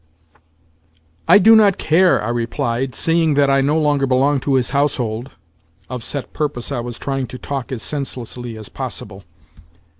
"I do not care," I replied, "seeing that I no longer belong to his household" (of set purpose I was trying to talk as senselessly as possible).